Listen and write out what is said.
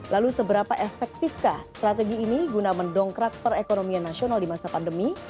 lalu seberapa efektifkah strategi ini guna mendongkrak perekonomian nasional di masa pandemi